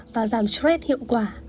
và giảm stress hiệu quả